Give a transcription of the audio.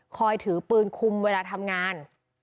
ถือปืนคุมเวลาทำงาน